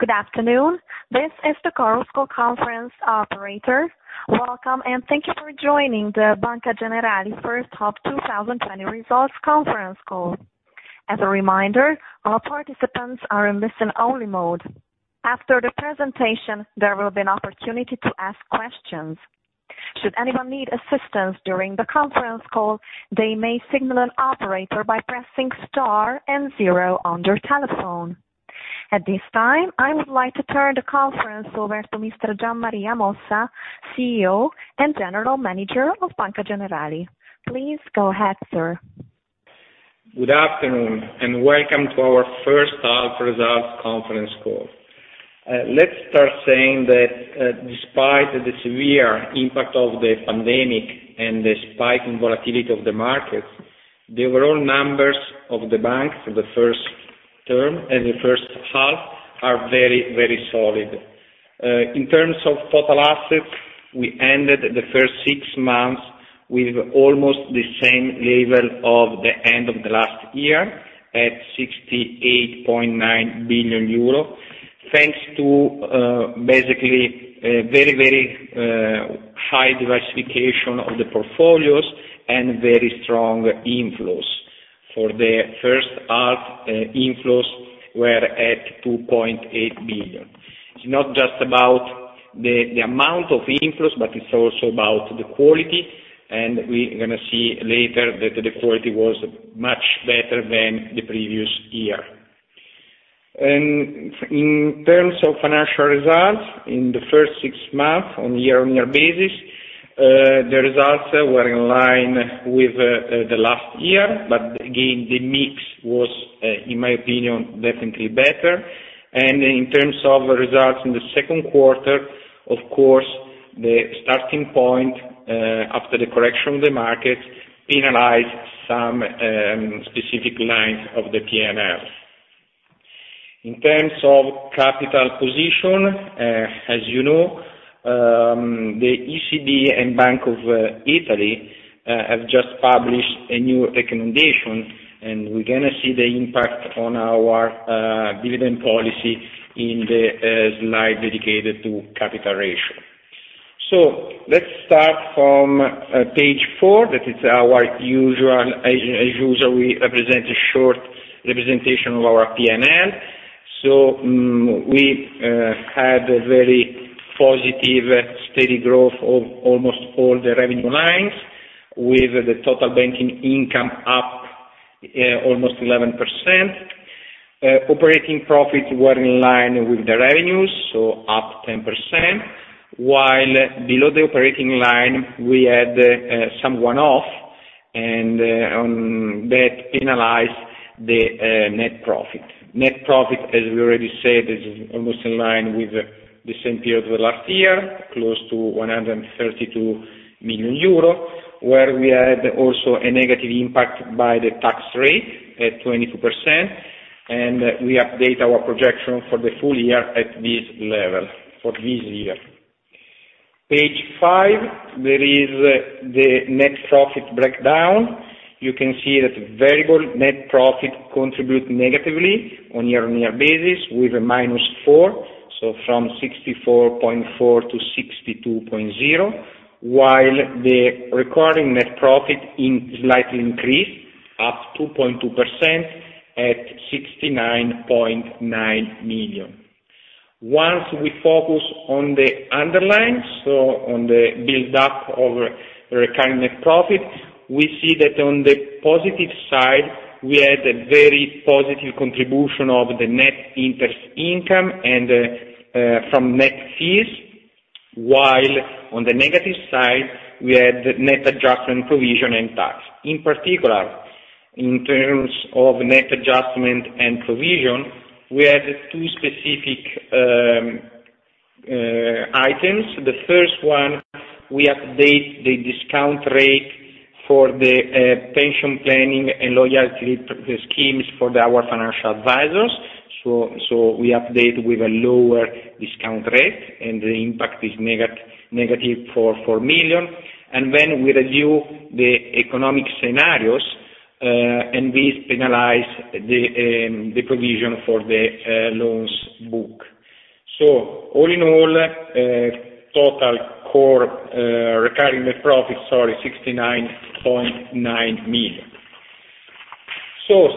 Good afternoon. This is the Chorus Call conference operator. Welcome, and thank you for joining the Banca Generali first half 2020 results conference call. As a reminder, all participants are in listen only mode. After the presentation, there will be an opportunity to ask questions. Should anyone need assistance during the conference call, they may signal an operator by pressing star and zero on their telephone. At this time, I would like to turn the conference over to Mr. Gian Maria Mossa, CEO and General Manager of Banca Generali. Please go ahead, sir. Good afternoon, welcome to our first half results conference call. Let's start saying that despite the severe impact of the pandemic and the spike in volatility of the markets, the overall numbers of the bank for the first term and the first half are very solid. In terms of total assets, we ended the first six months with almost the same level of the end of the last year, at 68.9 billion euro, thanks to basically very high diversification of the portfolios and very strong inflows. For the first half, inflows were at 2.8 billion. It's not just about the amount of inflows, but it's also about the quality, and we are going to see later that the quality was much better than the previous year. In terms of financial results, in the first six months, on a year-on-year basis, the results were in line with the last year. Again, the mix was, in my opinion, definitely better. In terms of results in the second quarter, of course, the starting point after the correction of the market penalized some specific lines of the P&L. In terms of capital position, as you know, the ECB and Bank of Italy have just published a new recommendation, and we're going to see the impact on our dividend policy in the slide dedicated to capital ratio. Let's start from page four. That is our usual. As usual, we represent a short representation of our P&L. We had a very positive, steady growth of almost all the revenue lines, with the total banking income up almost 11%. Operating profits were in line with the revenues, so up 10%, while below the operating line, we had some one-off, and that penalized the net profit. Net profit, as we already said, is almost in line with the same period of the last year, close to 132 million euro, where we had also a negative impact by the tax rate at 22%. We update our projection for the full year at this level for this year. Page five, there is the net profit breakdown. You can see that variable net profit contribute negatively on year-on-year basis with a minus four, so from 64.4 million to 62.0 million, while the recurring net profit slightly increased up 2.2% at 69.9 million. Once we focus on the underlying, so on the build up of recurring net profit, we see that on the positive side, we had a very positive contribution of the net interest income and from net fees, while on the negative side, we had net adjustment, provision, and tax. In particular, in terms of net adjustment and provision, we had two specific items. The first one, we update the discount rate for the pension planning and loyalty schemes for our financial advisors. We update with a lower discount rate, and the impact is negative for 4 million. We review the economic scenarios, and this penalize the provision for the loans book. All in all, total core recurring net profit, sorry, 69.9 million.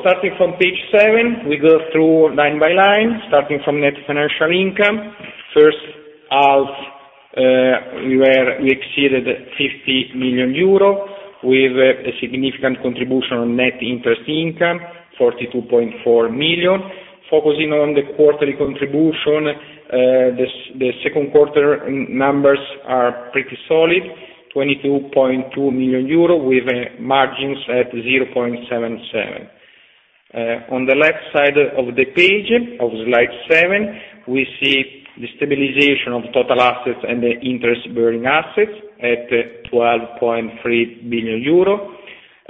Starting from page seven, we go through line by line, starting from net financial income. First half, we exceeded 50 million euro with a significant contribution on net interest income, 42.4 million. Focusing on the quarterly contribution, the second quarter numbers are pretty solid, 22.2 million euro with margins at 0.77%. On the left side of the page of slide seven, we see the stabilization of total assets and the interest-bearing assets at 12.3 billion euro.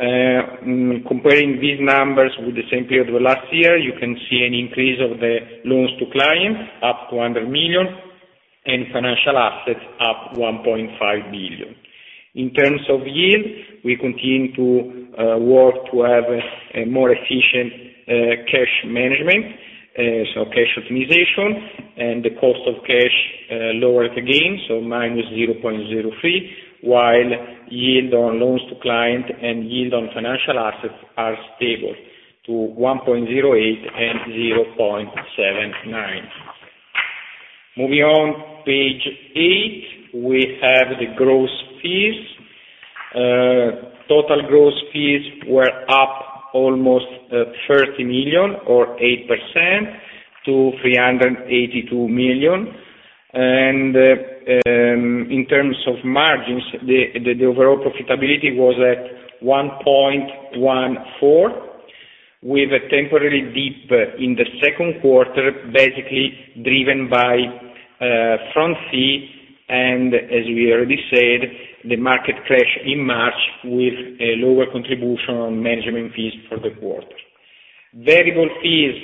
Comparing these numbers with the same period of last year, you can see an increase of the loans to clients up to 100 million. Financial assets up 1.5 billion. In terms of yield, we continue to work to have a more efficient cash management. Cash optimization and the cost of cash lowered again, -0.03%, while yield on loans to client and yield on financial assets are stable to 1.08% and 0.79%. Moving on, page eight, we have the gross fees. Total gross fees were up almost 30 million or 8% to 382 million. In terms of margins, the overall profitability was at 1.14%, with a temporary dip in the second quarter, basically driven by front fee and, as we already said, the market crash in March with a lower contribution on management fees for the quarter. Variable fees,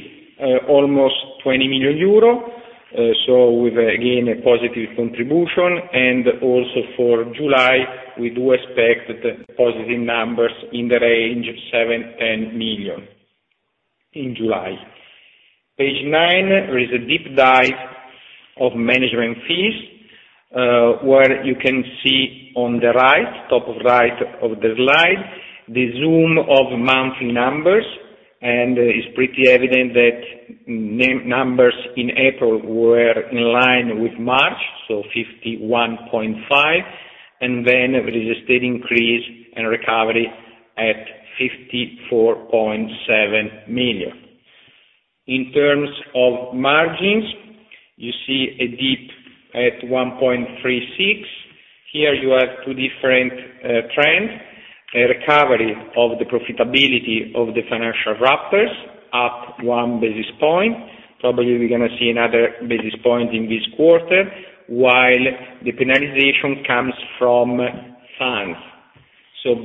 almost 20 million euro, with, again, a positive contribution. Also for July, we do expect positive numbers in the range of 7 million-10 million in July. Page nine is a deep dive of management fees, where you can see on the top right of the slide, the zoom of monthly numbers. It is pretty evident that numbers in April were in line with March, 51.5 million, then there is a steady increase and recovery at 54.7 million. In terms of margins, you see a dip at 1.36%. Here you have two different trends, a recovery of the profitability of the financial wrappers up one basis point. Probably we're going to see another basis point in this quarter, while the penalization comes from funds.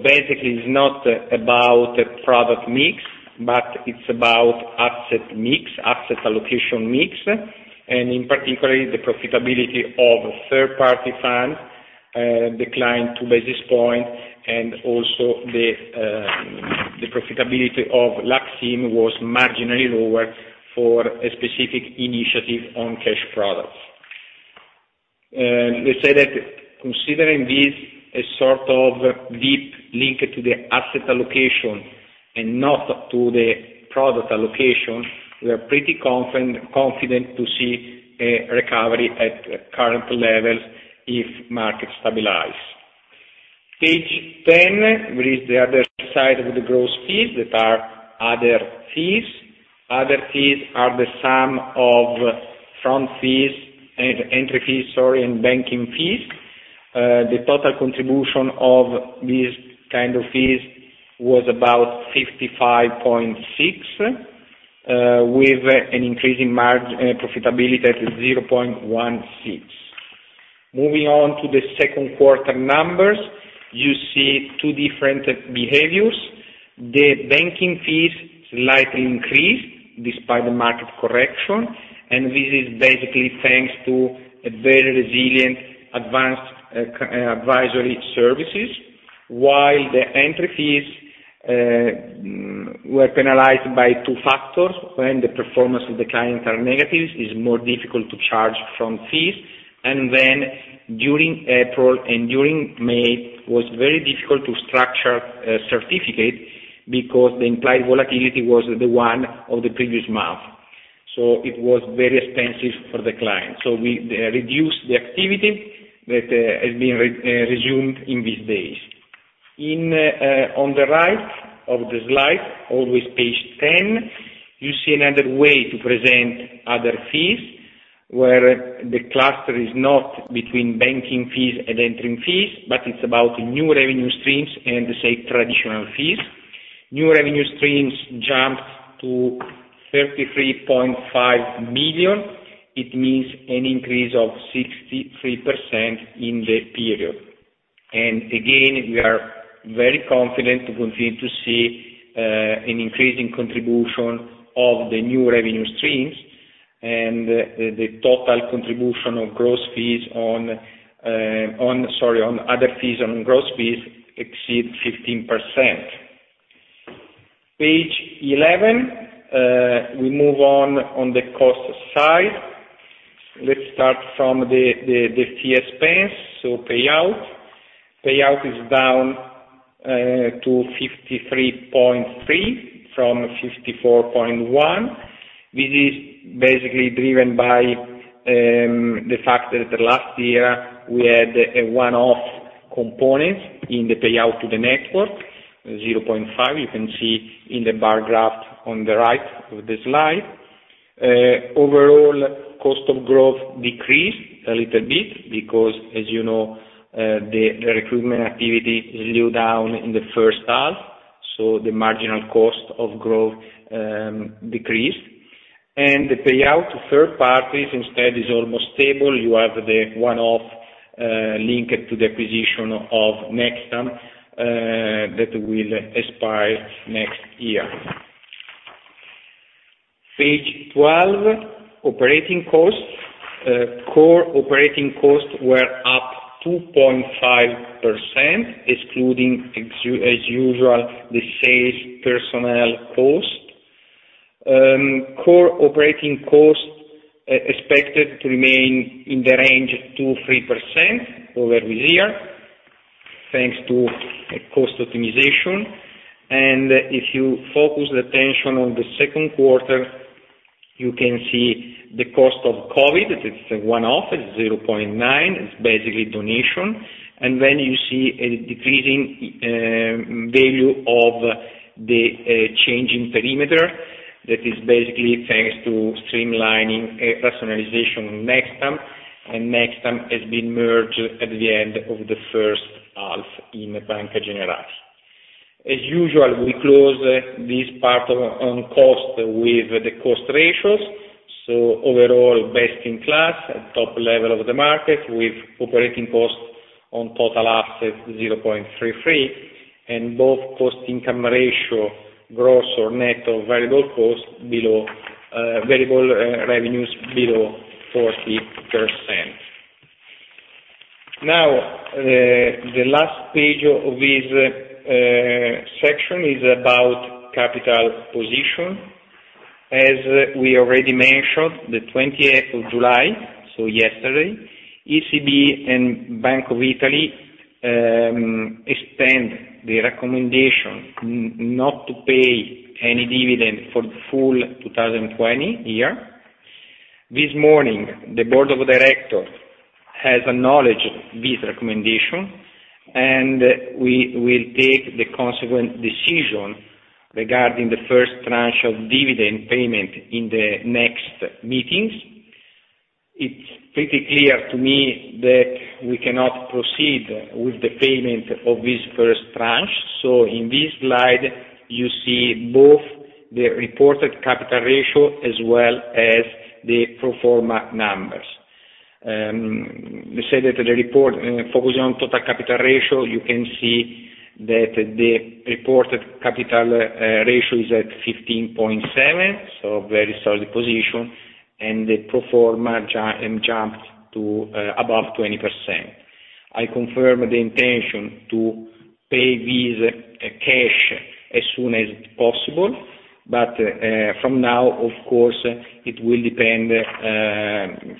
Basically it's not about product mix, but it's about asset mix, asset allocation mix, and in particular, the profitability of third-party funds declined two basis point, and also the profitability of LUX IM was marginally lower for a specific initiative on cash products. We say that considering this a sort of dip link to the asset allocation and not to the product allocation, we are pretty confident to see a recovery at current levels if market stabilize. Page 10, there is the other side of the gross fees that are other fees. Other fees are the sum of front fees, entry fees, sorry, and banking fees. The total contribution of these kind of fees was about 55.6 million, with an increasing margin profitability to 0.16%. Moving on to the second quarter numbers, you see two different behaviors. The banking fees slightly increased despite the market correction. This is basically thanks to a very resilient advanced advisory services, while the entry fees were penalized by two factors. When the performance of the clients are negatives, it's more difficult to charge front fees. During April and during May, it was very difficult to structure a certificate because the implied volatility was the one of the previous month. It was very expensive for the client. We reduced the activity that has been resumed in these days. On the right of the slide, always page 10, you see another way to present other fees, where the cluster is not between banking fees and entering fees, but it's about new revenue streams and, say, traditional fees. New revenue streams jumped to 33.5 million. It means an increase of 63% in the period. Again, we are very confident to continue to see an increasing contribution of the new revenue streams and the total contribution of other fees on gross fees exceed 15%. Page 11, we move on the cost side. Let's start from the fee expense, so payout. Payout is down to 53.3 million from 54.1 million. This is basically driven by the fact that last year we had a one-off component in the payout to the network, 0.5 million. You can see in the bar graph on the right of the slide. Overall cost of growth decreased a little bit because, as you know, the recruitment activity is low down in the first half, so the marginal cost of growth decreased. The payout to third parties instead is almost stable. You have the one-off linked to the acquisition of Nextam that will expire next year. Page 12, operating costs. Core operating costs were up 2.5%, excluding, as usual, the sales personnel cost. Core operating costs expected to remain in the range 2%-3% over this year, thanks to cost optimization. If you focus attention on the second quarter, you can see the cost of COVID. It's a one-off, it's 0.9 million, it's basically donation. You see a decreasing value of the changing perimeter. That is basically thanks to streamlining personalization Nextam, and Nextam has been merged at the end of the first half in Banca Generali. As usual, we close this part on cost with the cost ratios. Overall, best in class, at top level of the market with operating costs on total assets 0.33, and both cost income ratio, gross or net of variable revenues, below 40%. The last page of this section is about capital position. As we already mentioned, the 20th of July, so yesterday, ECB and Bank of Italy extend the recommendation not to pay any dividend for the full 2020 year. This morning, the board of directors has acknowledged this recommendation, and we will take the consequent decision regarding the first tranche of dividend payment in the next meetings. It's pretty clear to me that we cannot proceed with the payment of this first tranche. In this slide, you see both the reported capital ratio as well as the pro forma numbers. Let's say that the report focusing on total capital ratio, you can see that the reported capital ratio is at 15.7, so very solid position, and the pro forma jumped to above 20%. I confirm the intention to pay this cash as soon as possible. From now, of course, it will depend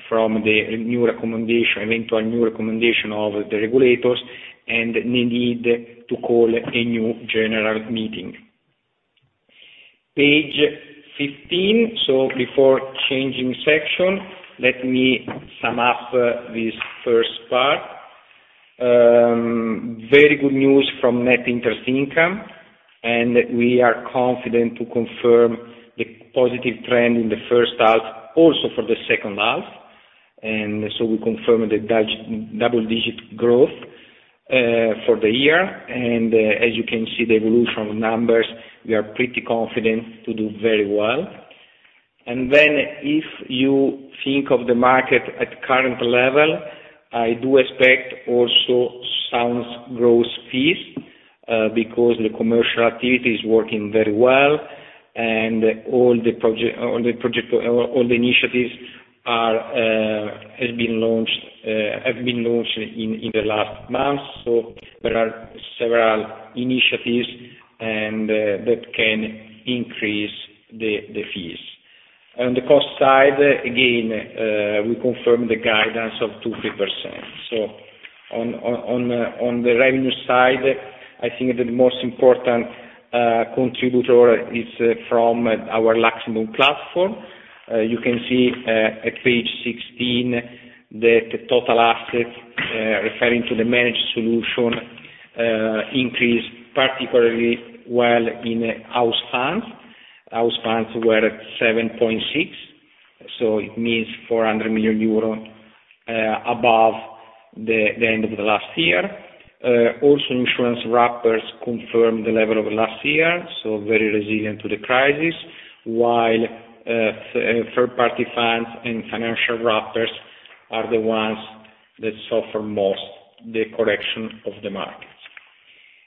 from the eventual new recommendation of the regulators, and the need to call a new general meeting. Page 15. Before changing section, let me sum up this first part. Very good news from net interest income, we are confident to confirm the positive trend in the first half, also for the second half. We confirm the double-digit growth for the year. As you can see the evolution numbers, we are pretty confident to do very well. If you think of the market at current level, I do expect also sound gross fees, because the commercial activity is working very well, and all the initiatives have been launched in the last month. There are several initiatives that can increase the fees. On the cost side, again, we confirm the guidance of 2%-3%. On the revenue side, I think the most important contributor is from our LUX IM platform. You can see at page 16 that the total assets referring to the managed solution increased particularly well in house funds. House funds were at 7.6 billion, it means 400 million euros above the end of the last year. Insurance wrappers confirm the level of last year, so very resilient to the crisis, while third-party funds and financial wrappers are the ones that suffer most the correction of the markets.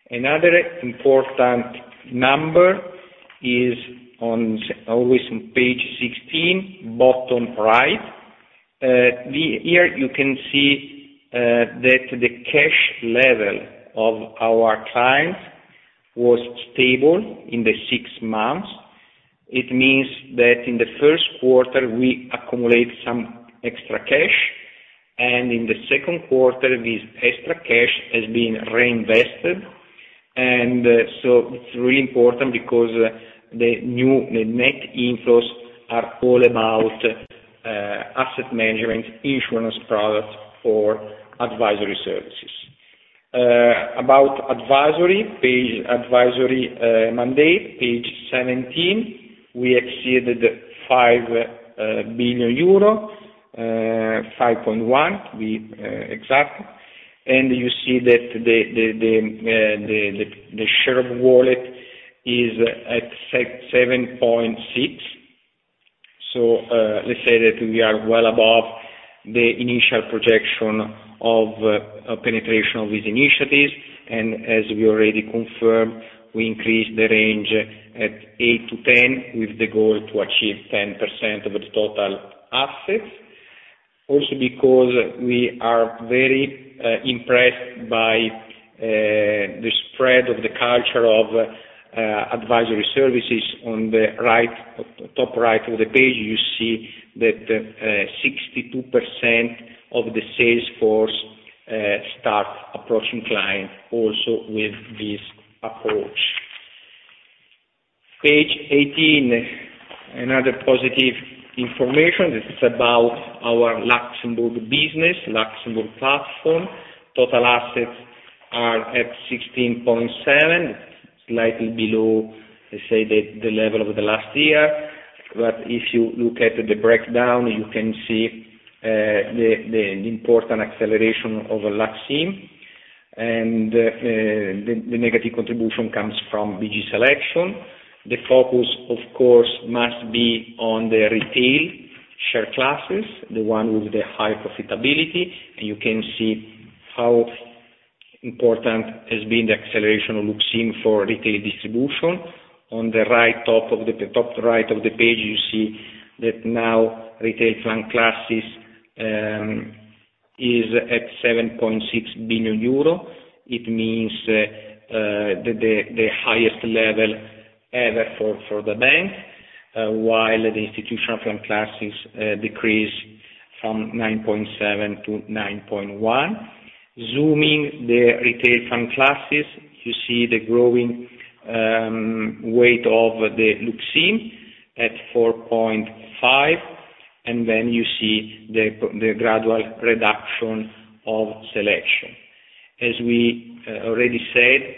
Another important number is always on page 16, bottom right. Here you can see that the cash level of our clients was stable in the six months. It means that in the first quarter, we accumulate some extra cash, and in the second quarter, this extra cash has been reinvested. It's really important because the net inflows are all about asset management insurance products for advisory services. About advisory mandate, page 17, we exceeded 5 billion euro, 5.1 billion to be exact. You see that the share of wallet is at 7.6 billion. Let's say that we are well above the initial projection of penetration of these initiatives. As we already confirmed, we increased the range at 8%-10% with the goal to achieve 10% of the total assets. Also because we are very impressed by the spread of the culture of advisory services. On the top right of the page, you see that 62% of the sales force start approaching clients also with this approach. Page 18, another positive information. This is about our Luxembourg business, Luxembourg platform. Total assets are at 16.7, slightly below, let's say, the level of the last year. If you look at the breakdown, you can see the important acceleration of LUX IM, and the negative contribution comes from BG Selection. The focus, of course, must be on the retail share classes, the one with the high profitability. You can see how important has been the acceleration of LUX IM for retail distribution. On the top right of the page, you see that now retail fund classes is at 7.6 billion euro. It means the highest level ever for the bank, while the institutional fund classes decrease from 9.7 to 9.1. Zooming the retail fund classes, you see the growing weight of the LUX IM at 4.5, then you see the gradual reduction of BG Selection. As we already said,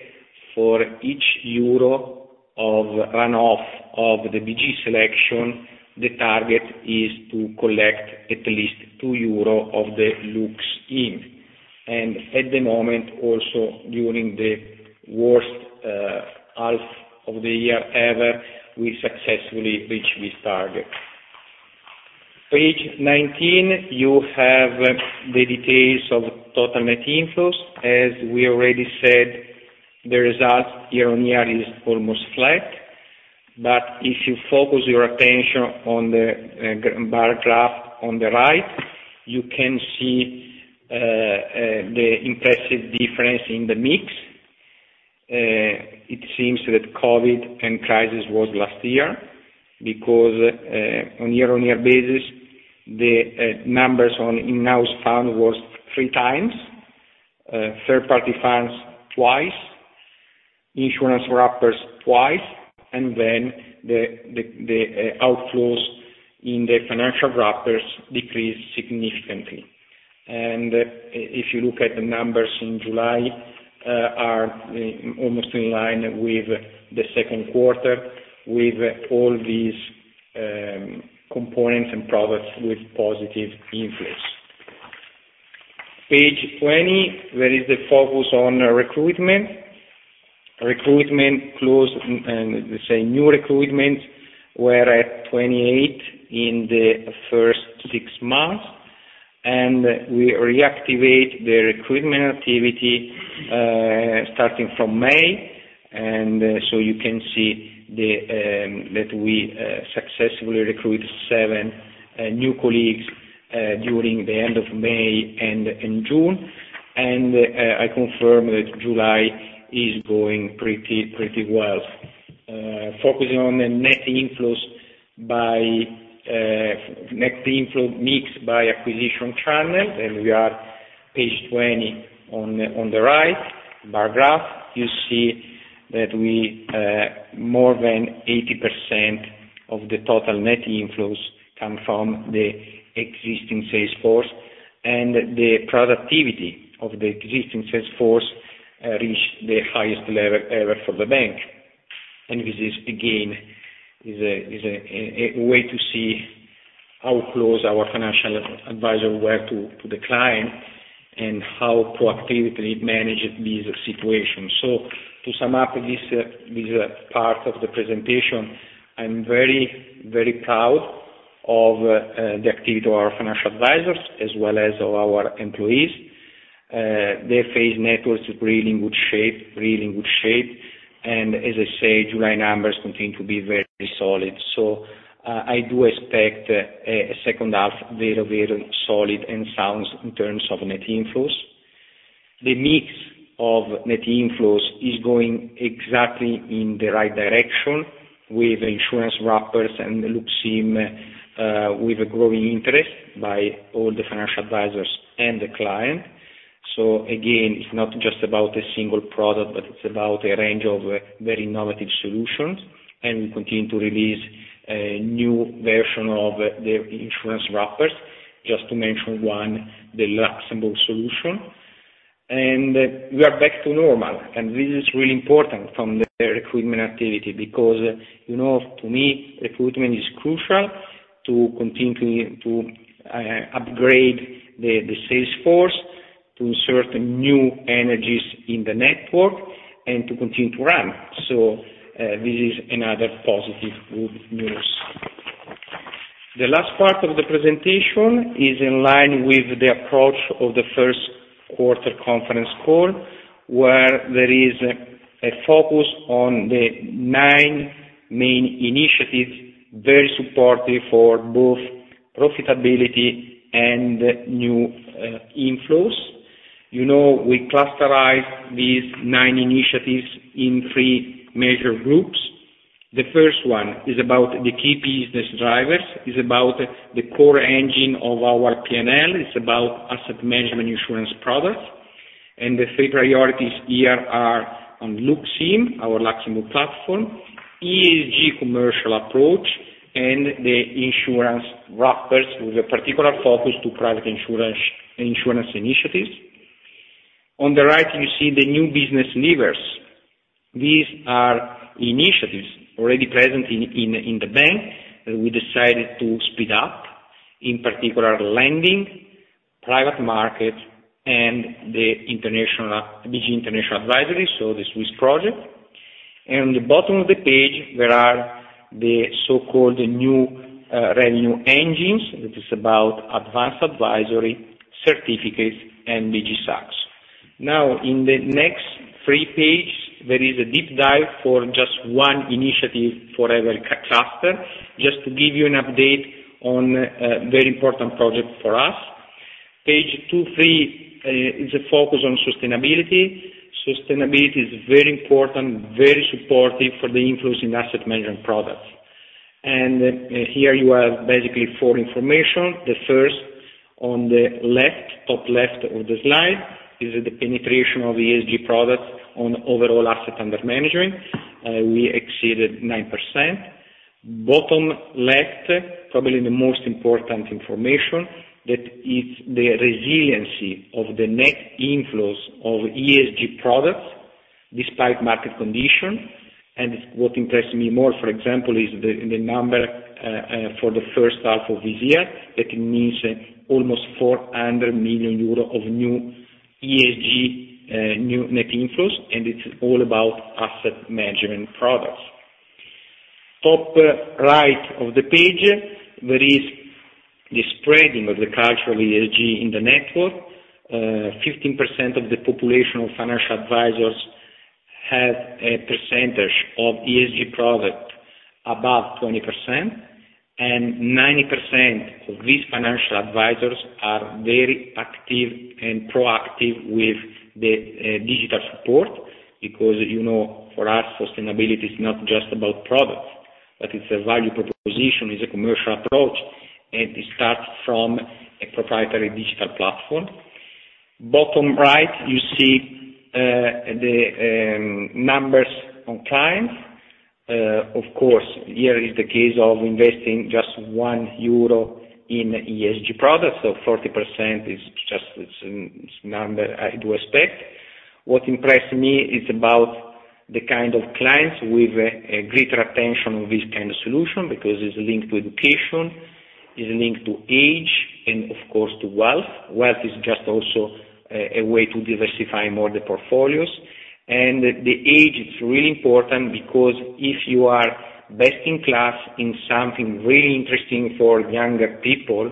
for each euro of runoff of the BG Selection, the target is to collect at least 2 euro of the LUX IM. At the moment, also during the worst half of the year ever, we successfully reach this target. Page 19, you have the details of total net inflows. As we already said, the result year-over-year is almost flat. If you focus your attention on the bar graph on the right, you can see the impressive difference in the mix. It seems that COVID and crisis was last year, because on year-over-year basis, the numbers on in-house fund was three times, third-party funds twice, insurance wrappers twice, then the outflows in the financial wrappers decreased significantly. If you look at the numbers in July, are almost in line with the second quarter with all these components and products with positive inflows. Page 20, there is the focus on recruitment. Recruitment close, and let's say new recruitment, were at 28 in the first six months. We reactivate the recruitment activity starting from May. You can see that we successfully recruit seven new colleagues during the end of May and in June. I confirm that July is going pretty well. Focusing on the net inflows mix by acquisition channels, we are page 20 on the right bar graph. You see that more than 80% of the total net inflows come from the existing sales force, and the productivity of the existing sales force reach the highest level ever for the bank. This, again, is a way to see how close our financial advisor were to the client, and how proactively it managed these situations. To sum up this part of the presentation, I'm very proud of the activity of our financial advisors as well as our employees. The FAs network is really in good shape. As I said, July numbers continue to be very solid. I do expect a second half very solid and sound in terms of net inflows. The mix of net inflows is going exactly in the right direction with insurance wrappers and LUX IM, with a growing interest by all the financial advisors and the client. Again, it's not just about a single product, but it's about a range of very innovative solutions, and we continue to release a new version of the insurance wrappers. Just to mention one, the Luxembourg solution. We are back to normal, and this is really important from the recruitment activity because, to me, recruitment is crucial to continue to upgrade the sales force. To insert new energies in the network and to continue to ramp. This is another positive good news. The last part of the presentation is in line with the approach of the first quarter conference call, where there is a focus on the nine main initiatives, very supportive for both profitability and new inflows. You know, we clusterize these nine initiatives in three major groups. The first one is about the key business drivers, is about the core engine of our P&L. It's about asset management insurance products. The three priorities here are on LUX IM, our LUX IM pool platform, ESG commercial approach, and the insurance wrappers with a particular focus to private insurance initiatives. On the right, you see the new business levers. These are initiatives already present in the bank. We decided to speed up, in particular, lending, private market, and the BG International Advisory, so the Swiss project. On the bottom of the page, there are the so-called new revenue engines. That is about advanced advisory certificates and BG Saxo. In the next three page, there is a deep dive for just one initiative for every cluster, just to give you an update on a very important project for us. Page 23 is a focus on sustainability. Sustainability is very important, very supportive for the inflows in asset management products. Here you have basically four information. The first on the top left of the slide is the penetration of ESG products on overall asset under management. We exceeded 9%. Bottom left, probably the most important information, that is the resiliency of the net inflows of ESG products despite market condition. What interests me more, for example, is the number for the first half of this year. That means almost 400 million euro of new ESG, new net inflows, and it's all about asset management products. Top right of the page, there is the spreading of the cultural ESG in the network. 15% of the population of financial advisors have a percentage of ESG product above 20%, and 90% of these financial advisors are very active and proactive with the digital support, because, you know, for us, sustainability is not just about products, but it's a value proposition, it's a commercial approach, and it starts from a proprietary digital platform. Bottom right, you see the numbers on clients. Of course, here is the case of investing just 1 euro in ESG products. 40% is just, it's a number I do expect. What impressed me is about the kind of clients with a greater attention on this kind of solution, because it's linked to education, it's linked to age, and of course, to wealth. Wealth is just also a way to diversify more the portfolios. The age is really important because if you are best in class in something really interesting for younger people,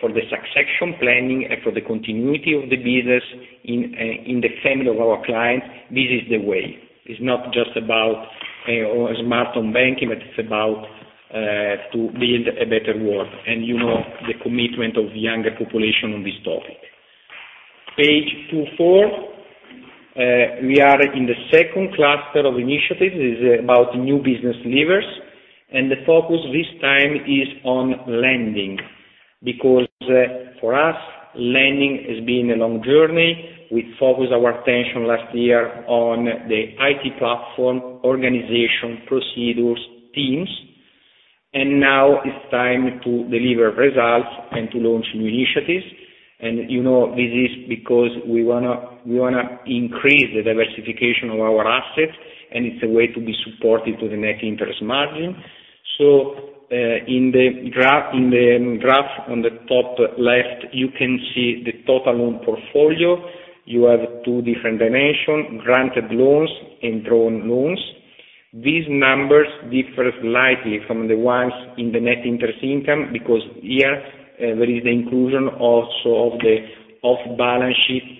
for the succession planning and for the continuity of the business in the family of our clients, this is the way. It's not just about smartphone banking, but it's about to build a better world, and you know the commitment of younger population on this topic. Page 24. We are in the second cluster of initiatives. It is about new business levers, and the focus this time is on lending, because for us, lending has been a long journey. We focused our attention last year on the IT platform, organization, procedures, teams, and now it's time to deliver results and to launch new initiatives. You know, this is because we want to increase the diversification of our assets, and it's a way to be supportive to the net interest margin. In the graph on the top left, you can see the total loan portfolio. You have two different dimensions, granted loans and drawn loans. These numbers differ slightly from the ones in the net interest income because here, there is the inclusion also of the off-balance sheet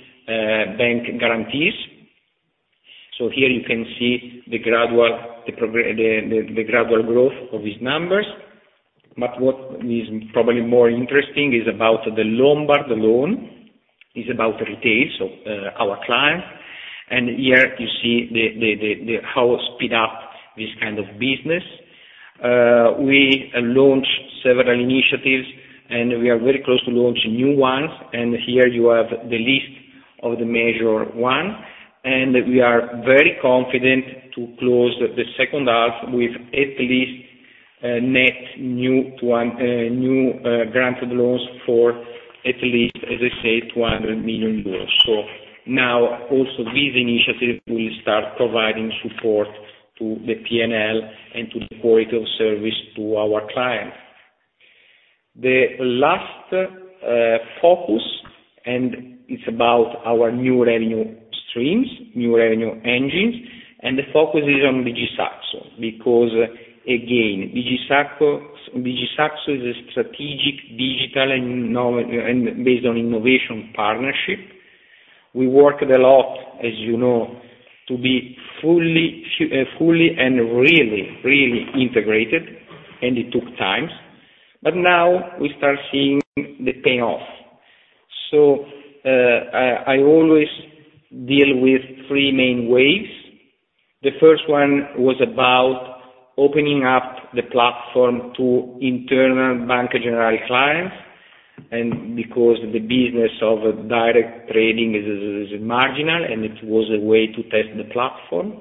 bank guarantees. Here you can see the gradual growth of these numbers. What is probably more interesting is about the Lombard loan, is about retail, so our client. Here you see how speed up this kind of business. We launched several initiatives, and we are very close to launching new ones. Here you have the list of the major one, and we are very confident to close the second half with at least net new granted loans for at least, as I say, 200 million euros. Now, also this initiative will start providing support to the P&L and to the quality of service to our clients. The last focus, and it's about our new revenue streams, new revenue engines, and the focus is on BG Saxo. Again, BG Saxo is a strategic digital and based on innovation partnership. We worked a lot, as you know, to be fully and really integrated, and it took time. Now we start seeing the payoff. I always deal with three main ways. The first one was about opening up the platform to internal Banca Generali clients, and because the business of direct trading is marginal, and it was a way to test the platform.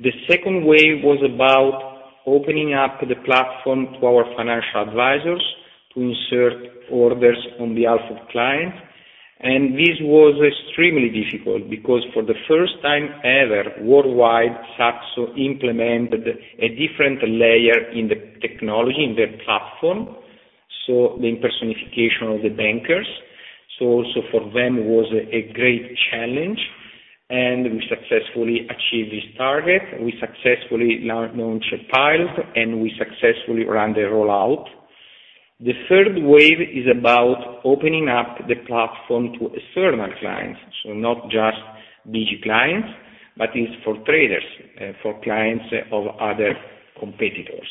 The second way was about opening up the platform to our financial advisors to insert orders on behalf of client. This was extremely difficult because for the first time ever, worldwide, Saxo implemented a different layer in the technology, in their platform, so the personification of the bankers. Also for them was a great challenge, and we successfully achieved this target, we successfully launched a pilot, and we successfully ran the rollout. The third wave is about opening up the platform to external clients. Not just BG clients, but it's for traders, for clients of other competitors.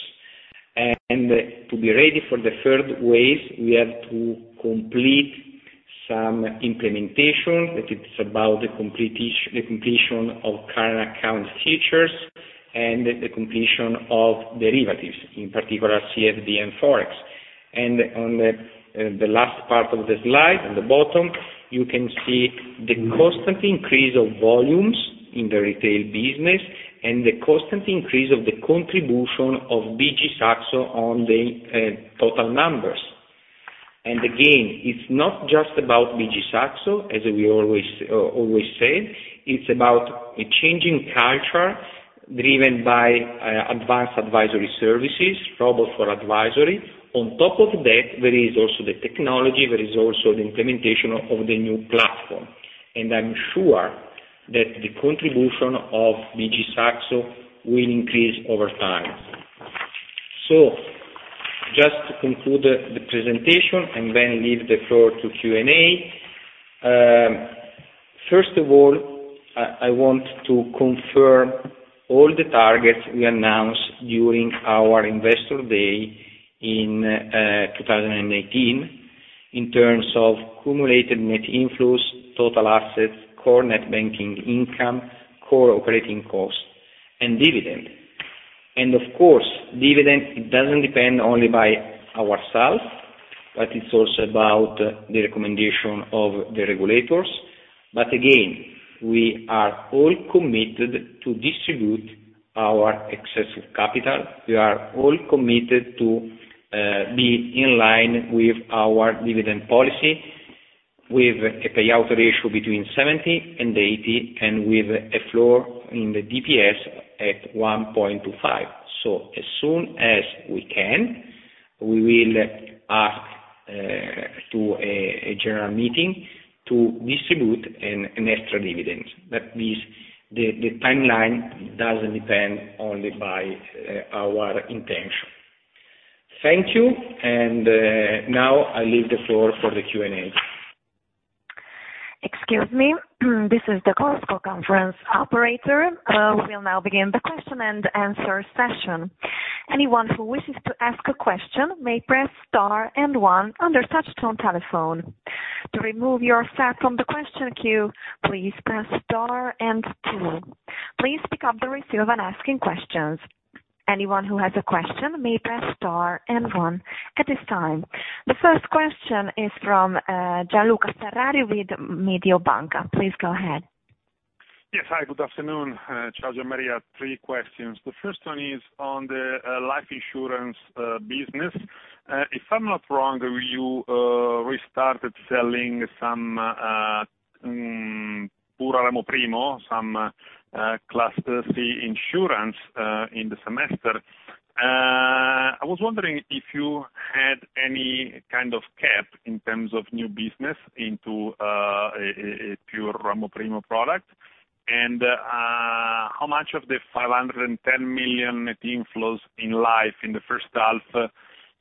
To be ready for the third wave, we have to complete some implementation, that it's about the completion of current account features, and the completion of derivatives, in particular CFD and Forex. On the last part of the slide, on the bottom, you can see the constant increase of volumes in the retail business and the constant increase of the contribution of BG Saxo on the total numbers. Again, it's not just about BG Saxo, as we always say. It's about a changing culture driven by advanced advisory services, Robo-Advisory. On top of that, there is also the technology, there is also the implementation of the new platform. I'm sure that the contribution of BG Saxo will increase over time. Just to conclude the presentation and then leave the floor to Q&A. First of all, I want to confirm all the targets we announced during our investor day in 2018 in terms of cumulative net inflows, total assets, core net banking income, core operating cost, and dividend. Of course, dividend, it doesn't depend only by ourselves, but it's also about the recommendation of the regulators. Again, we are all committed to distribute our excessive capital. We are all committed to be in line with our dividend policy, with a payout ratio between 70 and 80, and with a floor in the DPS at 1.25. As soon as we can, we will ask to a general meeting to distribute an extra dividend. The timeline doesn't depend only by our intention. Thank you, and now I leave the floor for the Q&A. Excuse me, this is the Chorus Call conference operator. We'll now begin the question-and-answer session. Anyone who wishes to ask a question may press star and one on their touch-tone telephone. To remove yourself from the question queue, please press star and two. Please pick up the receiver when asking questions. Anyone who has a question may press star and one at this time. The first question is from Gian Luca Ferrari with Mediobanca. Please go ahead. Yes. Hi, good afternoon, Sergio and Maria. Three questions. The first one is on the life insurance business. If I'm not wrong, you restarted selling some pure ramo primo, some Class C insurance, in the semester. I was wondering if you had any kind of cap in terms of new business into a pure ramo primo product. How much of the 510 million net inflows in life in the first half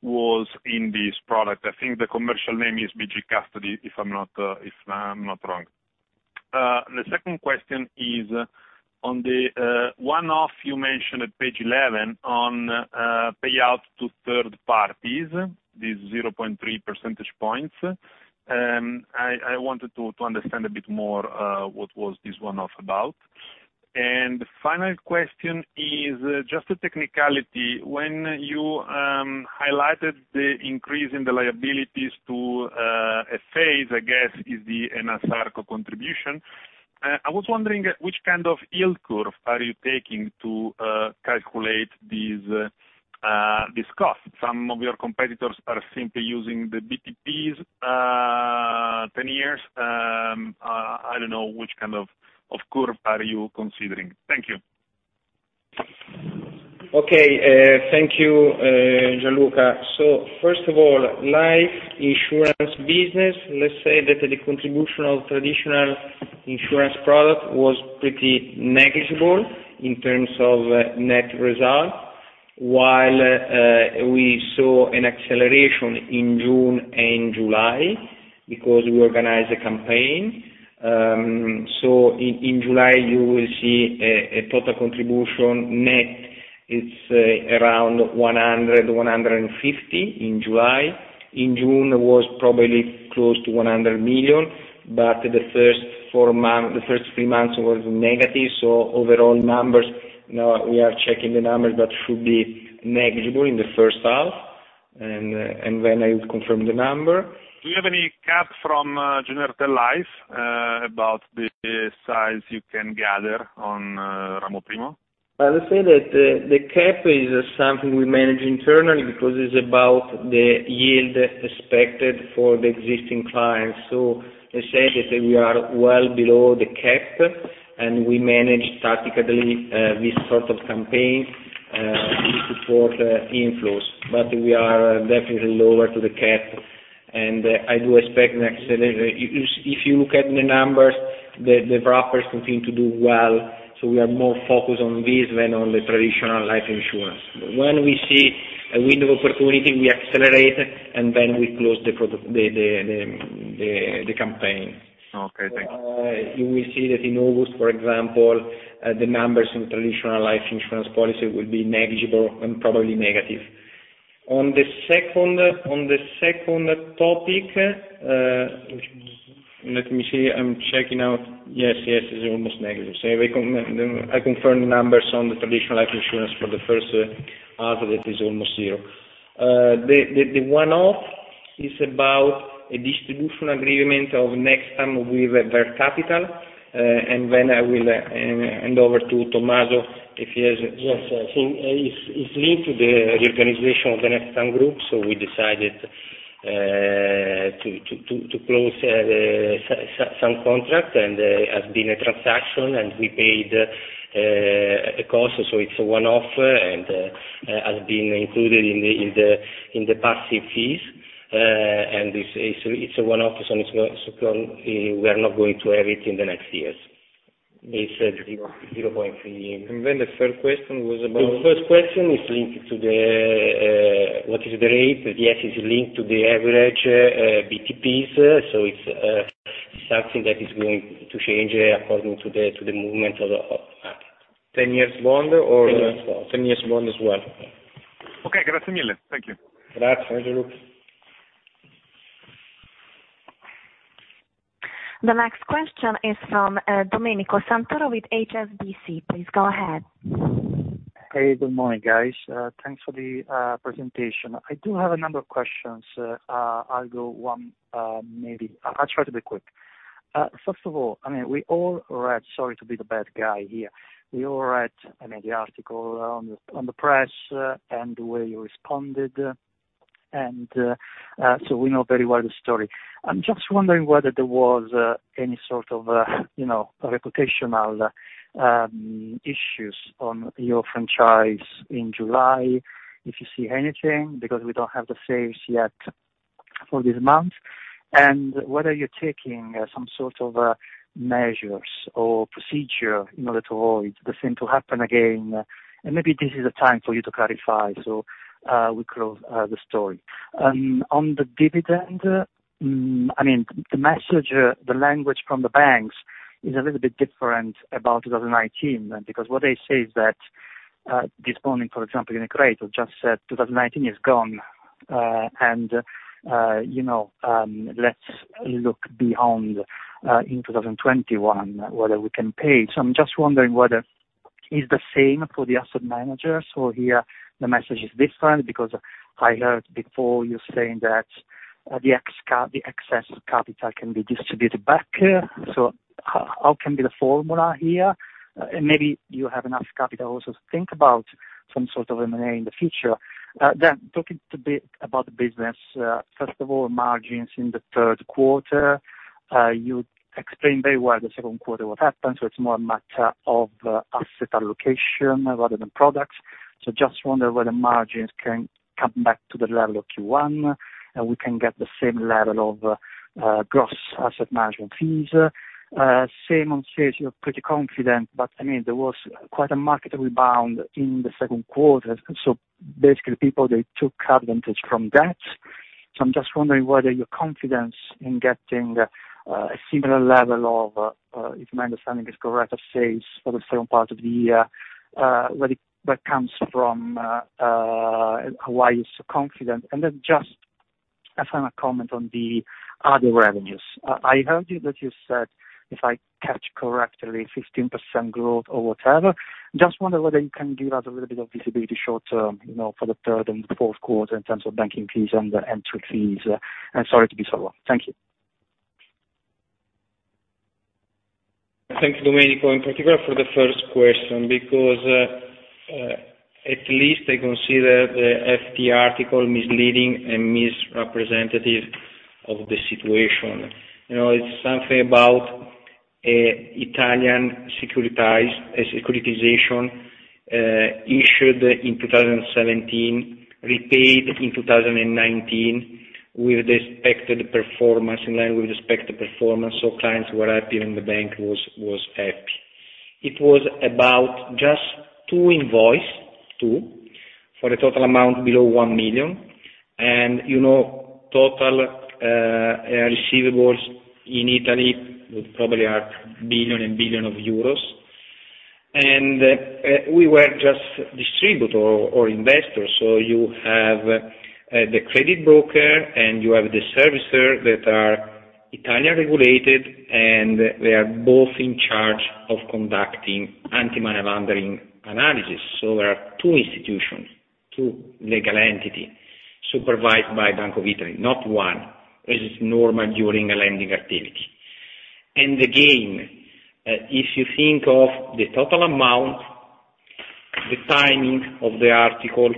was in this product? I think the commercial name is BG Custody, if I'm not wrong. The second question is on the one-off you mentioned at page 11 on payout to third parties, this 0.3 percentage points. I wanted to understand a bit more, what was this one-off about. The final question is just a technicality. When you highlighted the increase in the liabilities to FAs, I guess is the Enasarco contribution, I was wondering which kind of yield curve are you taking to calculate this cost. Some of your competitors are simply using the BTPs 10 years. I don't know which kind of curve are you considering. Thank you. Okay. Thank you, Gian Luca. First of all, life insurance business, let's say that the contribution of traditional insurance product was pretty negligible in terms of net result, while we saw an acceleration in June and July because we organized a campaign. In July, you will see a total contribution net. It's around 100 million, 150 million in July. In June, it was probably close to 100 million, but the first three months was negative. Overall numbers, now we are checking the numbers, but should be negligible in the first half, and when I will confirm the number. Do you have any cap from Generali Life about the size you can gather on ramo primo? Let's say that the cap is something we manage internally because it's about the yield expected for the existing clients. Essentially, we are well below the cap, and we manage tactically this sort of campaign to support inflows. We are definitely lower to the cap, and I do expect an acceleration. If you look at the numbers, the wrappers continue to do well, so we are more focused on this than on the traditional life insurance. When we see a window of opportunity, we accelerate, and then we close the campaign. Okay. Thanks. You will see that in August, for example, the numbers in traditional life insurance policy will be negligible and probably negative. On the second topic Let me see. I'm checking out. Yes, it's almost negative. I confirm the numbers on the traditional life insurance for the first half, that is almost zero. The one-off is about a distribution agreement of Nextam with Ver Capital. Then I will hand over to Tommaso if he has. Yes. I think it's linked to the reorganization of the Nextam Partners. We decided to close some contract, and has been a transaction, and we paid a cost. It's a one-off and has been included in the passive fees. It's a one-off, so we are not going to have it in the next years. It's 0.3. The third question was about? The first question is linked to what is the rate. Yes, it's linked to the average BTPs, so it's something that is going to change according to the movement of that. 10 years bond or? 10 years bond. 10 years bond as well. Okay. Grazie mille. Thank you. Grazie. Grazie. The next question is from Domenico Santoro with HSBC. Please go ahead. Hey. Good morning, guys. Thanks for the presentation. I do have a number of questions. I'll try to be quick. First of all, we all read, sorry to be the bad guy here. We all read many article on the press, the way you responded, so we know very well the story. I'm just wondering whether there was any sort of reputational issues on your franchise in July, if you see anything, because we don't have the sales yet for this month. Whether you're taking some sort of measures or procedure in order to avoid the same to happen again. Maybe this is a time for you to clarify, so we close the story. On the dividend, the message, the language from the banks is a little bit different about 2019, because what they say is that this morning, for example, UniCredit just said 2019 is gone, and let's look beyond in 2021, whether we can pay. I'm just wondering whether is the same for the asset managers, or here the message is different because I heard before you saying that the excess capital can be distributed back. How can be the formula here? Maybe you have enough capital also to think about some sort of M&A in the future. Talking a bit about the business. First of all, margins in the third quarter. You explained very well the second quarter what happened. It's more a matter of asset allocation rather than products. Just wonder whether margins can come back to the level of Q1, and we can get the same level of gross asset management fees. Same on sales, you are pretty confident, but there was quite a market rebound in the second quarter. Basically, people, they took advantage from that. I am just wondering whether your confidence in getting a similar level of, if my understanding is correct, of sales for the second part of the year, where it comes from, why you are so confident. Then just a final comment on the other revenues. I heard you that you said, if I catch correctly, 15% growth or whatever. Just wonder whether you can give us a little bit of visibility short-term, for the third and the fourth quarter in terms of banking fees and entry fees. Sorry to be so long. Thank you. Thank you, Domenico, in particular for the first question because, at least I consider the FT article misleading and misrepresentative of the situation. It is something about an Italian securitization issued in 2017, repaid in 2019, with expected performance in line with respect to performance, so clients were happy and the bank was happy. It was about just two invoices for a total amount below 1 million. Total receivables in Italy probably are billion and billion of euros. We were just distributor or investor. You have the credit broker, and you have the servicer that are Italian regulated, and they are both in charge of conducting anti-money laundering analysis. There are two institutions, two legal entities supervised by Bank of Italy, not one, as is normal during a lending activity. Again, if you think of the total amount, the timing of the article,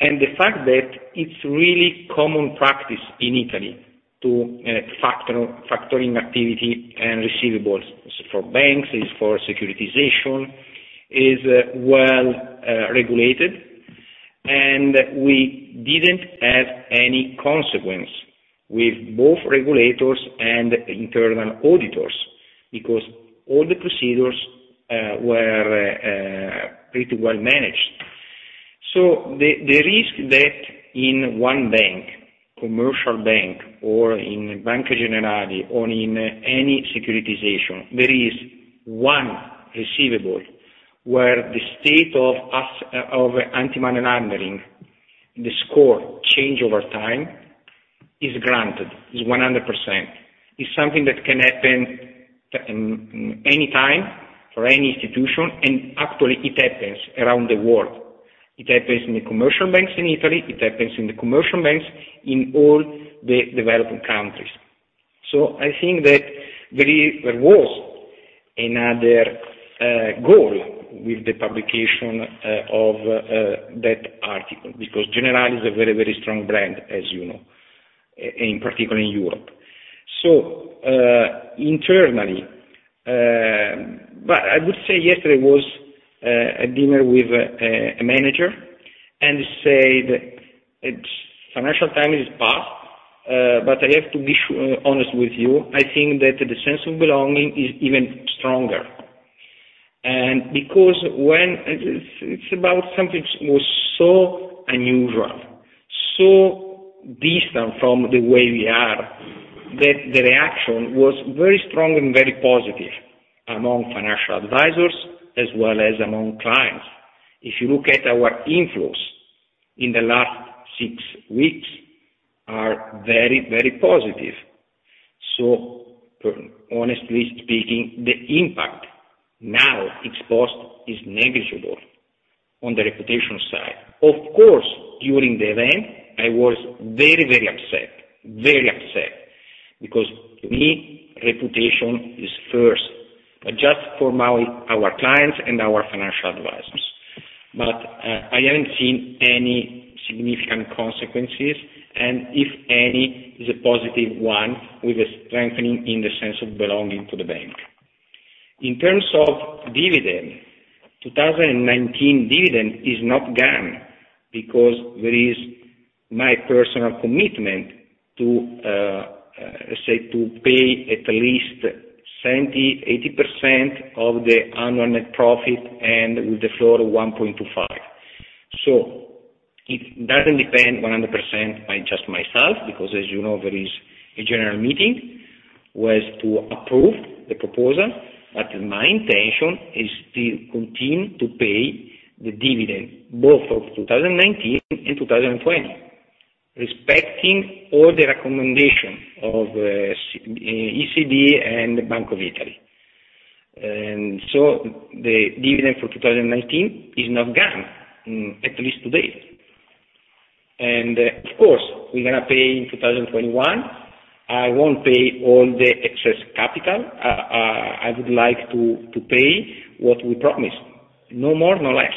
and the fact that it's really common practice in Italy to factor in activity and receivables for banks, it's for securitization, is well regulated. We didn't have any consequence with both regulators and internal auditors, because all the procedures were pretty well managed. The risk that in one bank, commercial bank, or in Banca Generali, or in any securitization, there is one receivable where the state of anti-money laundering, the score change over time, is granted, is 100%, is something that can happen any time for any institution, and actually it happens around the world. It happens in the commercial banks in Italy, it happens in the commercial banks in all the developing countries. I think that there was another goal with the publication of that article, because Generali is a very, very strong brand, as you know, in particular in Europe. Internally, but I would say yesterday was a dinner with a manager, and he said, "Financial Times is past, but I have to be honest with you, I think that the sense of belonging is even stronger." Because when it's about something was so unusual, so distant from the way we are, that the reaction was very strong and very positive among financial advisors, as well as among clients. If you look at our inflows in the last six weeks, are very positive. Honestly speaking, the impact now exposed is negligible on the reputation side. Of course, during the event, I was very upset. Very upset, because to me, reputation is first, just for our clients and our financial advisors. I haven't seen any significant consequences, and if any, is a positive one with a strengthening in the sense of belonging to the bank. In terms of dividend, 2019 dividend is not gone, because there is my personal commitment to pay at least 70%-80% of the annual net profit and with the floor of 1.25. It doesn't depend 100% by just myself, because as you know, there is a general meeting was to approve the proposal, but my intention is to continue to pay the dividend both of 2019 and 2020, respecting all the recommendation of ECB and Bank of Italy. The dividend for 2019 is not gone, at least to date. Of course, we're going to pay in 2021. I won't pay all the excess capital. I would like to pay what we promised, no more, no less.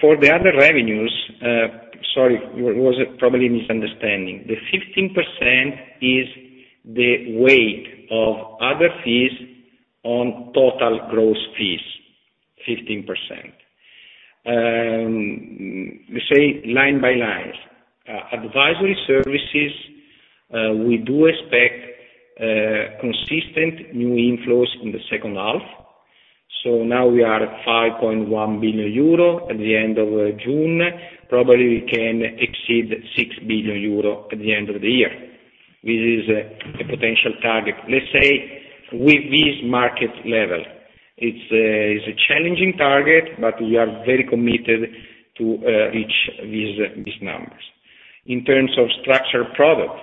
For the other revenues, sorry, it was probably a misunderstanding. The 15% is the weight of other fees on total gross fees, 15%. Let's say line by line. Advisory services, we do expect consistent new inflows in the second half. Now we are at 5.1 billion euro at the end of June. Probably we can exceed 6 billion euro at the end of the year. This is a potential target, let's say with this market level. It's a challenging target, but we are very committed to reach these numbers. In terms of structured product,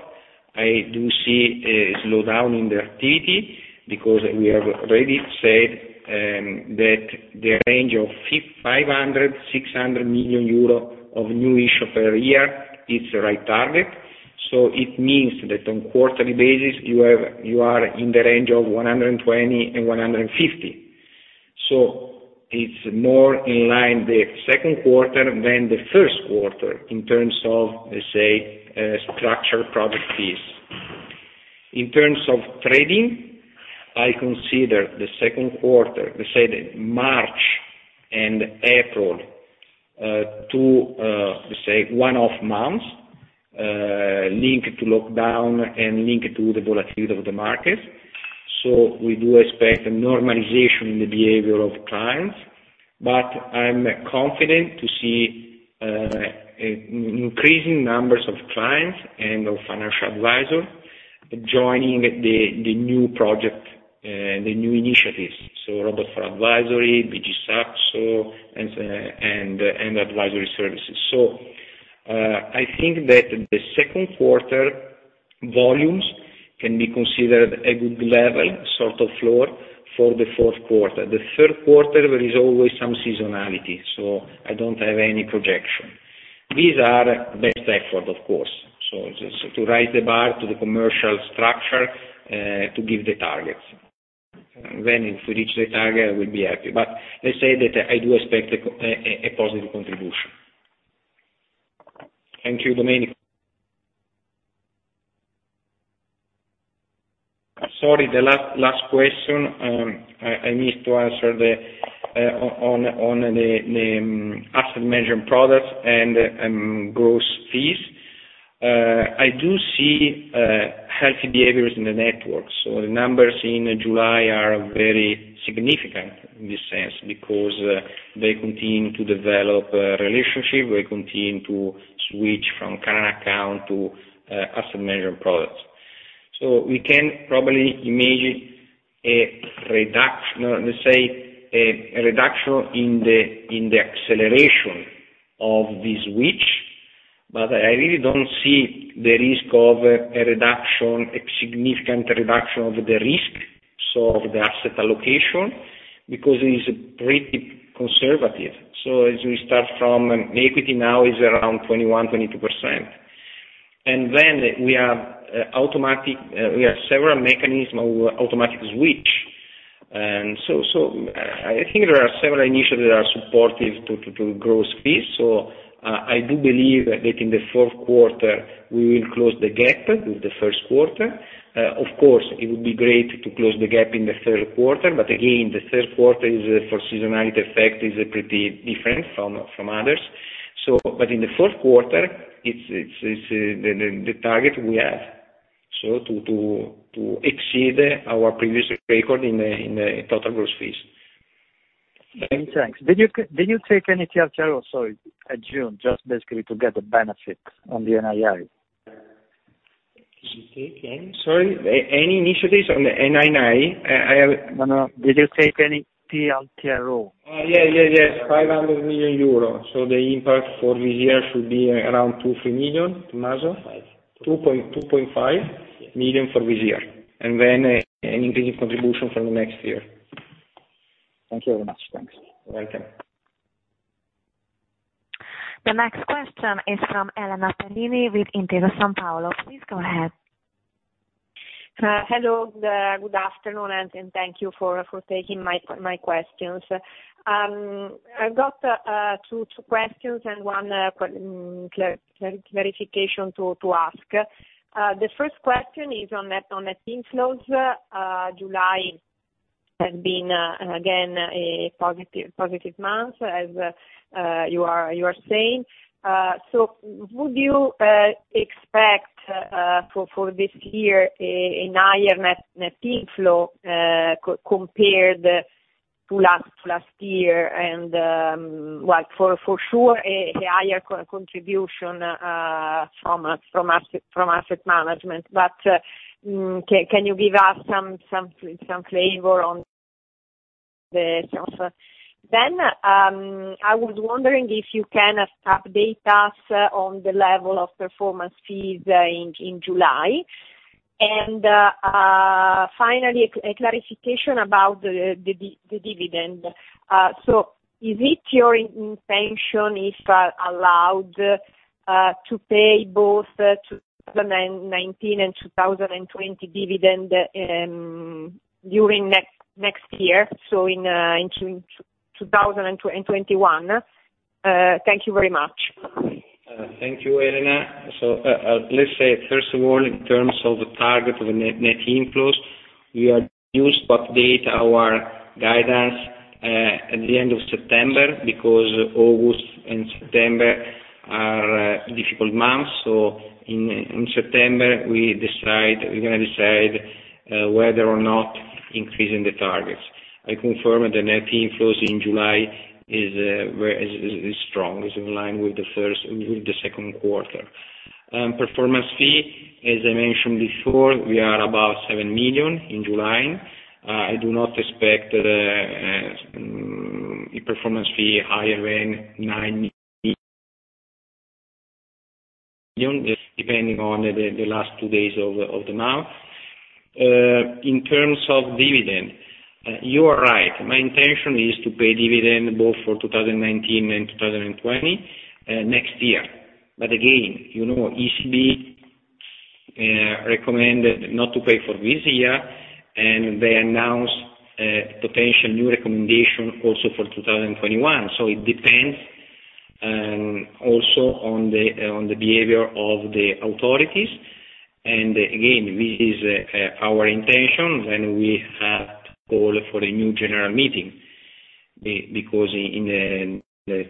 I do see a slowdown in the activity because we have already said that the range of 500 million-600 million euro of new issue per year is the right target. It means that on quarterly basis, you are in the range of 120 million and 150 million. It's more in line the second quarter than the first quarter in terms of, let's say, structure product fees. In terms of trading, I consider the second quarter, let's say March and April, two one-off months, linked to lockdown and linked to the volatility of the market. We do expect a normalization in the behavior of clients. I'm confident to see increasing numbers of clients and of financial advisors joining the new project, the new initiatives. Robo-Advisory, BG Saxo, and advisory services. I think that the second quarter volumes can be considered a good level, sort of floor, for the fourth quarter. The third quarter, there is always some seasonality, so I don't have any projection. These are best effort, of course. Just to raise the bar to the commercial structure to give the targets. If we reach the target, we'll be happy. Let's say that I do expect a positive contribution. Thank you, Domenico. Sorry, the last question. I missed to answer on the asset management products and gross fees. I do see healthy behaviors in the network. The numbers in July are very significant in this sense because they continue to develop relationships. They continue to switch from current account to asset management products. we can probably imagine, let's say, a reduction in the acceleration of the switch, but I really don't see the risk of a significant reduction of the risk, so of the asset allocation, because it is pretty conservative. as we start from equity now is around 21%, 22%. we have several mechanisms of automatic switch. I think there are several initiatives that are supportive to gross fees. I do believe that in the fourth quarter, we will close the gap with the first quarter. Of course, it would be great to close the gap in the third quarter. Again, the third quarter for seasonality effect is pretty different from others. In the fourth quarter, it's the target we have, to exceed our previous record in the total gross fees. Many thanks. Did you take any TLTRO, sorry, at June, just basically to get the benefit on the NII? Sorry, any initiatives on the NII? No. Did you take any TLTRO? Oh, yes. 500 million euro. The impact for this year should be around 2, 3 million. Tommaso? Five. 2.5 million for this year, and then an increasing contribution for the next year. Thank you very much. Thanks. You're welcome. The next question is from Elena Perini with Intesa Sanpaolo. Please go ahead. Hello, good afternoon, and thank you for taking my questions. I've got two questions and one clarification to ask. The first question is on net inflows. July has been, again, a positive month as you are saying. Would you expect for this year a higher net inflow compared to last year and, well, for sure, a higher contribution from asset management. Can you give us some flavor on the? I was wondering if you can update us on the level of performance fees in July. Finally, a clarification about the dividend. Is it your intention, if allowed, to pay both 2019 and 2020 dividend during next year, so in 2021? Thank you very much. Thank you, Elena. First of all, in terms of the target of net inflows, we will update our guidance at the end of September because August and September are difficult months. In September, we're going to decide whether or not increasing the targets. I confirm the net inflows in July is strong. It's in line with the second quarter. Performance fee, as I mentioned before, we are about 7 million in July. I do not expect the performance fee higher than 9 million, depending on the last two days of the month. In terms of dividend, you are right. My intention is to pay dividend both for 2019 and 2020 next year. Again, you know ECB recommended not to pay for this year, and they announced a potential new recommendation also for 2021. It depends also on the behavior of the authorities. Again, this is our intention, and we have to call for a new general meeting.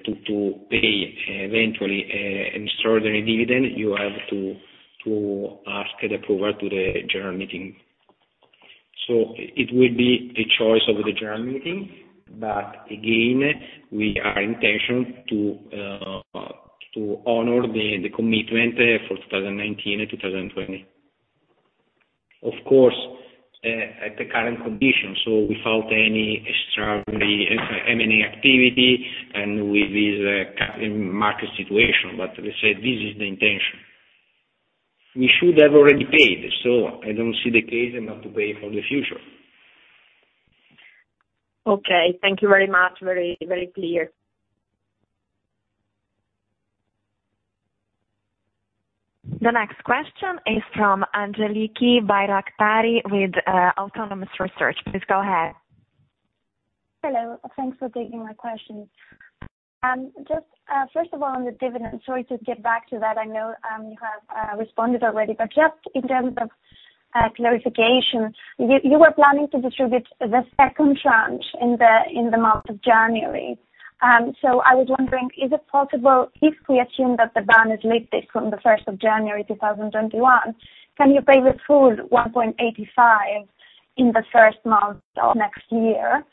To pay eventually an extraordinary dividend, you have to ask the approval to the general meeting. It will be the choice of the general meeting, but again, we are intentioned to honor the commitment for 2019 and 2020. Of course, at the current conditions, so without any extraordinary M&A activity and with this current market situation. We say this is the intention. We should have already paid, so I don't see the case not to pay for the future. Okay. Thank you very much. Very clear. The next question is from Angeliki Bairaktari with Autonomous Research. Please go ahead. Hello. Thanks for taking my question. Just first of all, on the dividend, sorry to get back to that. I know you have responded already, but just in terms of clarification, you were planning to distribute the second tranche in the month of January. I was wondering, is it possible, if we assume that the ban is lifted from the 1st of January 2021, can you pay the full 1.85 in the first month of next year?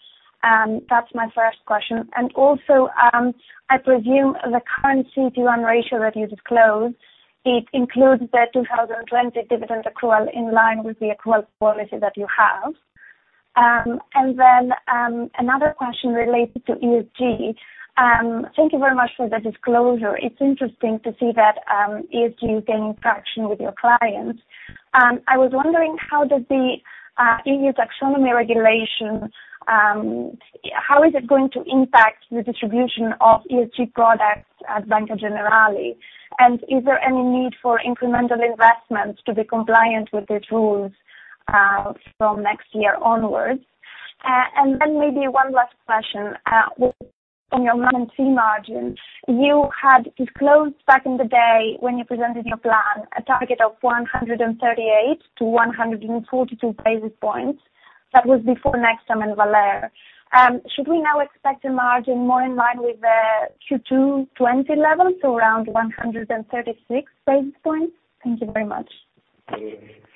That's my first question. I presume the current CET1 ratio that you disclosed, it includes the 2020 dividend accrual in line with the accrual policy that you have. Another question related to ESG. Thank you very much for the disclosure. It's interesting to see that ESG is gaining traction with your clients. I was wondering, how does the EU taxonomy regulation, how is it going to impact the distribution of ESG products at Banca Generali? Is there any need for incremental investments to be compliant with the rules, from next year onwards? Then maybe one last question. On your management fee margin, you had disclosed back in the day when you presented your plan, a target of 138 to 142 basis points. That was before Nextam and Ver Capital. Should we now expect a margin more in line with the Q2 2020 levels, so around 136 basis points? Thank you very much.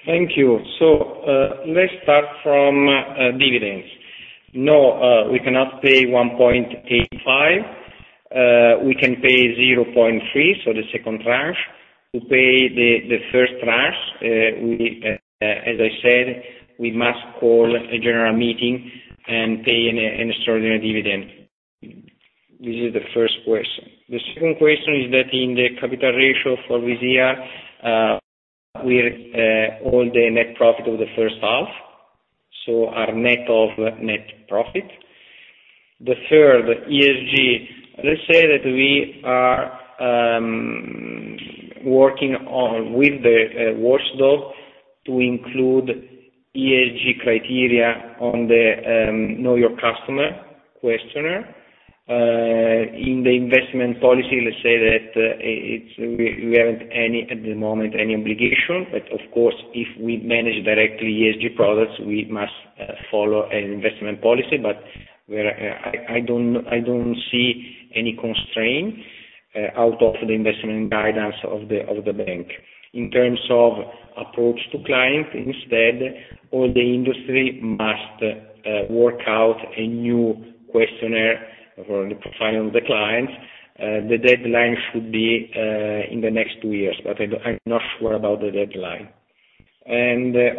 Thank you. Let's start from dividends. No, we cannot pay 1.85. We can pay 0.3, so the second tranche. To pay the first tranche, as I said, we must call a general meeting and pay an extraordinary dividend. This is the first question. The second question is that in the capital ratio for this year, all the net profit of the first half, so our net of net profit. The third, ESG, let's say that we are working with the watchdog to include ESG criteria on the Know Your Customer questionnaire. In the investment policy, let's say that we haven't, at the moment, any obligation. Of course, if we manage directly ESG products, we must follow an investment policy. I don't see any constraint out of the investment guidance of the bank. In terms of approach to client instead, all the industry must work out a new questionnaire for the profile of the client. The deadline should be in the next two years, but I'm not sure about the deadline.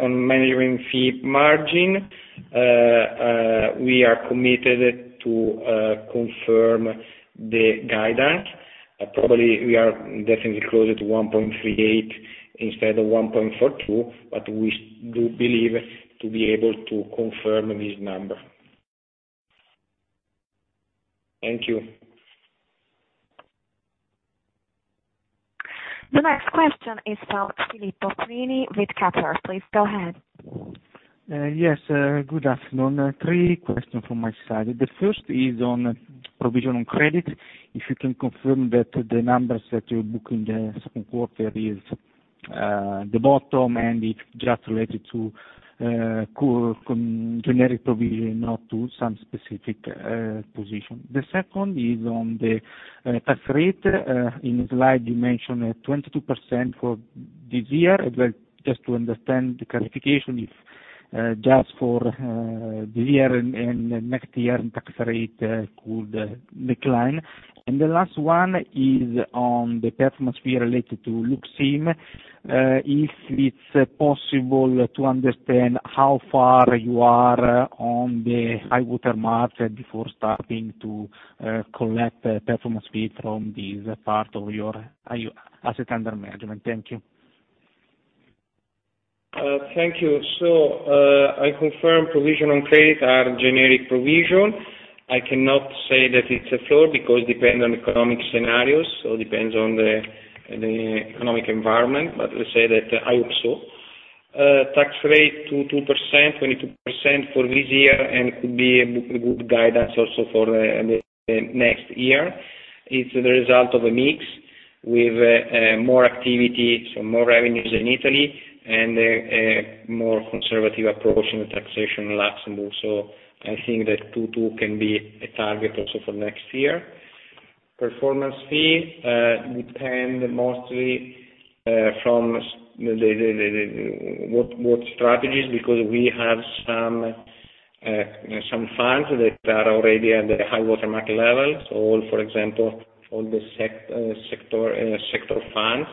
On management fee margin, we are committed to confirm the guidance. Probably, we are definitely closer to 1.38 instead of 1.42, but we do believe to be able to confirm this number. Thank you. The next question is from Filippo Prini with Kepler. Please go ahead. Yes. Good afternoon. Three questions from my side. The first is on provision on credit. If you can confirm that the numbers that you book in the second quarter is the bottom, and it is just related to core generic provision, not to some specific position. The second is on the tax rate. In slide, you mentioned 22% for this year. Just to understand the clarification, if just for this year and next year, tax rate could decline. The last one is on the performance fee related to LUX IM. If it is possible to understand how far you are on the high water mark before starting to collect performance fee from this part of your asset under management. Thank you. Thank you. I confirm provision on credit are generic provision. I cannot say that it's a floor because depend on economic scenarios, depends on the economic environment. Let's say that I hope so. Tax rate, 22% for this year, and could be a good guidance also for the next year. It's the result of a mix with more activity, so more revenues in Italy and more conservative approach in the taxation in Luxembourg. I think that 22% can be a target also for next year. Performance fee depend mostly from what strategies, because we have some funds that are already at the high water mark level. For example, all the sector funds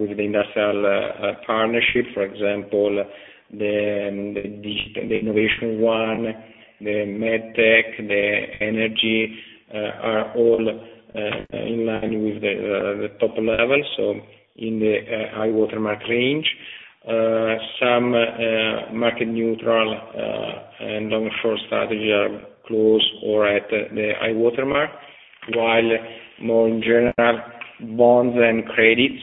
with the industrial partnership, for example, the innovation one, the MedTech, the energy, are all in line with the top level. In the high water mark range. Some market neutral and long-short strategy are close or at the high-water mark. While more in general, bonds and credits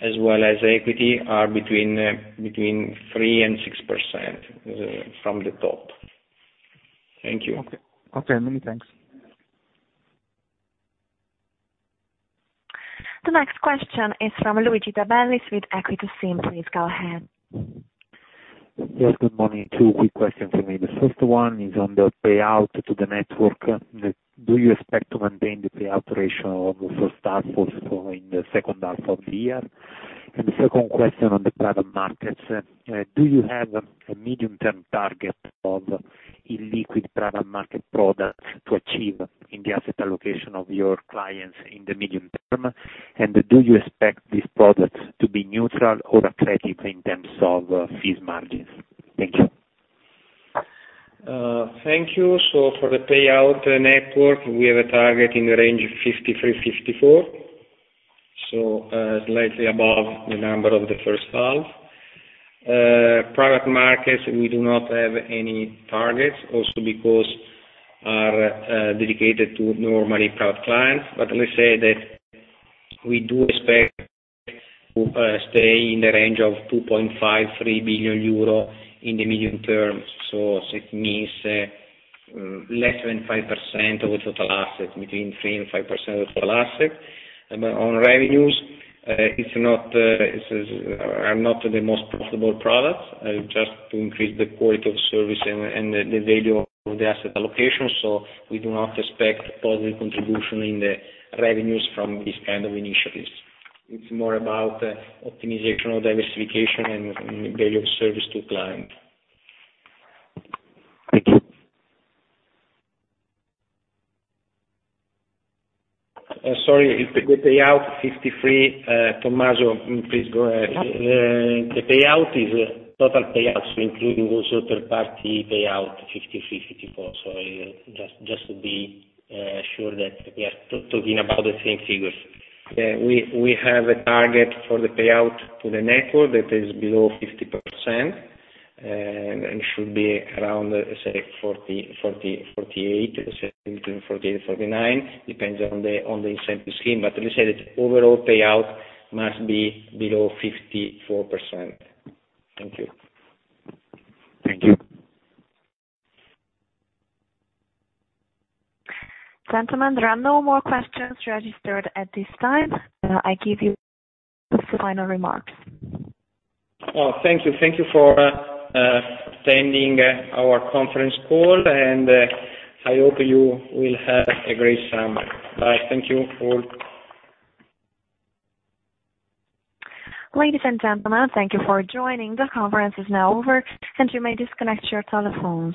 as well as equity are between 3% and 6% from the top. Thank you. Okay. Many thanks. The next question is from Luigi de Bellis with Equita SIM. Please go ahead. Yes, good morning. Two quick questions for me. The first one is on the payout to the network. Do you expect to maintain the payout ratio of the first half also in the second half of the year? The second question on the private markets, do you have a medium-term target of illiquid private market products to achieve in the asset allocation of your clients in the medium term? Do you expect these products to be neutral or accretive in terms of fees margins? Thank you. For the payout network, we have a target in the range of 53%-54%. Slightly above the number of the first half. Private markets, we do not have any targets, also because are dedicated to more money per client. Let's say that we do expect to stay in the range of 2.5 billion-3 billion euro in the medium term. It means less than 5% of the total assets, between 3% and 5% of total assets. On revenues, are not the most profitable products, just to increase the quality of service and the value of the asset allocation. We do not expect positive contribution in the revenues from this kind of initiatives. It's more about optimization or diversification and value of service to client. Thank you. Sorry, the payout 53%, Tommaso, please go ahead. The payout is total payout, so including also third party payout 53%, 54%. Just to be sure that we are talking about the same figures. We have a target for the payout to the network that is below 50%, and it should be around, say, 40%, 48%. Let's say between 48% and 49%, depends on the incentive scheme. Let's say that overall payout must be below 54%. Thank you. Thank you. Gentlemen, there are no more questions registered at this time. I give you the final remarks. Oh, thank you. Thank you for attending our conference call, and I hope you will have a great summer. Bye. Thank you all. Ladies and gentlemen, thank you for joining. The conference is now over, and you may disconnect your telephones.